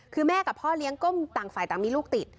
คือแม่กับพ่อเลี้ยงก็ต่างฝ่ายต่างมีลูกติด